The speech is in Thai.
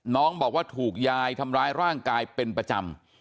น้องบอกว่าถูกยายทำร้ายร่างกายเป็นประจำ